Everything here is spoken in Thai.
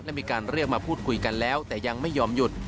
และมีการเรียกมาพูดคุยกันแล้วแต่ยังไม่ยอมหยุด